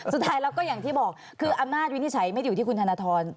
สุดท้ายแล้วก็อย่างที่บอกคืออำนาจวินิจฉัยไม่ได้อยู่ที่คุณธนทร